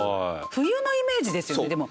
冬のイメージですよねでも。